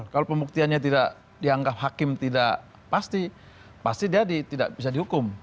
kalau pembuktiannya tidak dianggap hakim tidak pasti pasti dia tidak bisa dihukum